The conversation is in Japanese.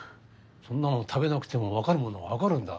そんなもん食べなくても分かるものは分かるんだ。